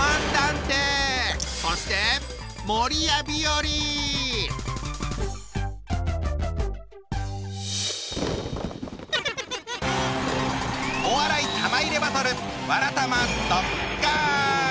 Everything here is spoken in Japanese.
そしてお笑い玉入れバトル